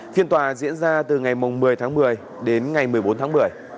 phiên tòa diễn ra từ ngày một mươi tháng một mươi đến ngày một mươi bốn tháng một mươi